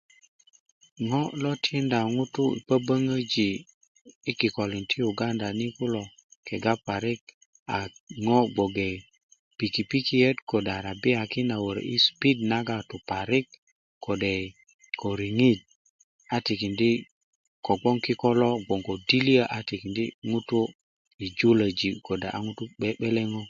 ŋo' lo tiinda ŋuto boboŋoji yi kikolin ti yuganda ni kulo kega parik a ŋo' gboŋge pikipikiyot kode arabiyaki naworo yi spid naga tu patik kode ko riŋit a tikindi ko gbo kiko lo gbo ko dliyo a tikindi ŋutu yi julo kode a ŋutu 'be'beleŋo